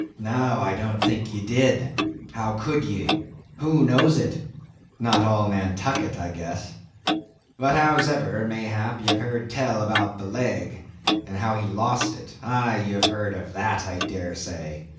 No, I don't think ye did; how could ye? Who knows it? Not all Nantucket, I guess. But hows'ever, mayhap, ye've heard tell about the leg, and how he lost it; aye, ye have heard of that, I dare say.